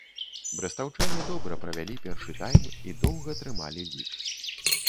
Брэстаўчане добра правялі першы тайм і доўга трымалі лік.